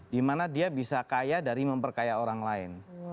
dimana dia bisa kaya dari memperkaya orang lain